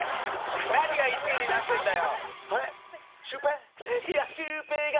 何が１位になってるんだよ！